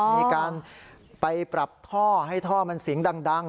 มีการไปปรับท่อให้ท่อมันเสียงดัง